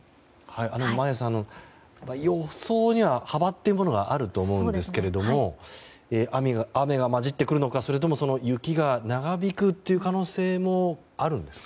眞家さん予想には幅というものがあると思うんですが雨が交じってくるのかそれとも、雪が長引く可能性もあるんですか？